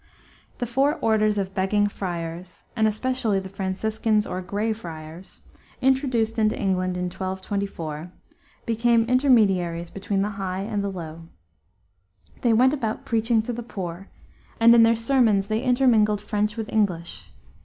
The four orders of begging friars, and especially the Franciscans or Gray Friars, introduced into England in 1224, became intermediaries between the high and the low. They went about preaching to the poor, and in their sermons they intermingled French with English.